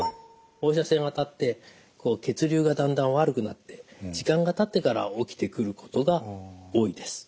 放射線当たって血流がだんだん悪くなって時間がたってから起きてくることが多いです。